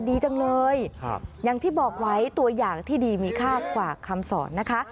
ดีจังเลยอย่างที่บอกไว้ตัวอย่างที่ดีมีค่ากว่าคำสอนนะคะ